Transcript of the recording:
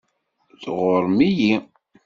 Tɣuṛṛem-iyi.